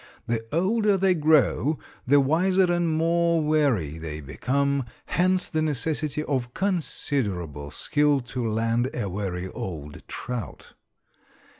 The older they grow the wiser and more wary they become, hence the necessity of considerable skill to land a wary old trout.